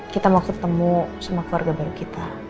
kita mau ketemu sama keluarga baru kita